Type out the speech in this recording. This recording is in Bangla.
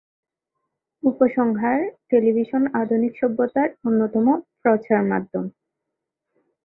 উপসংহার: টেলিভিশন আধুনিক সভ্যতার অন্যতম প্রচারমাধ্যম।